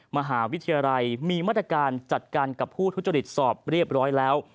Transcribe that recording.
มหาวิทยาลัยมีมาตรการจัดการกับผู้ทุจริตสอบเรียบร้อยแล้ว